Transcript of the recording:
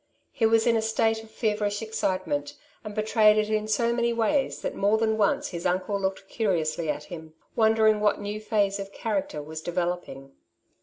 He was in a state of feverish excitement, and betrayed it in so many ways that mOre than once his uncle looked curiously at him, wondering what new phase of character was developing.